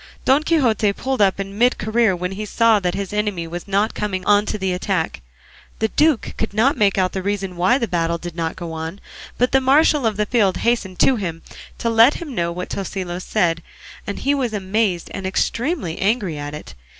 Don Quixote pulled up in mid career when he saw that his enemy was not coming on to the attack. The duke could not make out the reason why the battle did not go on; but the marshal of the field hastened to him to let him know what Tosilos said, and he was amazed and extremely angry at it.